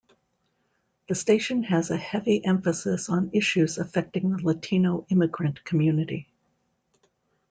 The station has a heavy emphasis on issues affecting the Latino immigrant community.